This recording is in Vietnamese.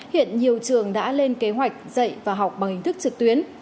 hiện nhiều trường đã lên kế hoạch dạy và học bằng hình thức trực tuyến